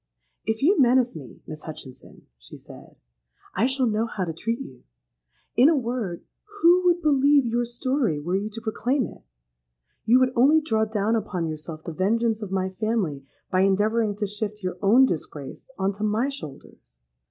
'—'If you menace me, Miss Hutchinson,' she said, 'I shall know how to treat you. In a word, who would believe your story were you to proclaim it? You would only draw down upon yourself the vengeance of my family by endeavouring to shift your own disgrace on to my shoulders.